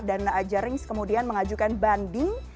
dan aja rings kemudian mengajukan banding